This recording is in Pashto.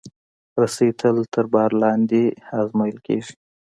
رسۍ تل تر بار لاندې ازمېیل کېږي.